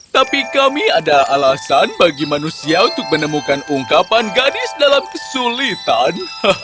tapi kami ada alasan bagi manusia untuk menemukan ungkapan gadis dalam kesulitan